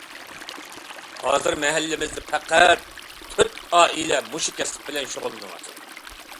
ھازىر مەھەللىمىزدە پەقەت تۆت ئائىلە مۇشۇ كەسىپ بىلەن شۇغۇللىنىۋاتىدۇ.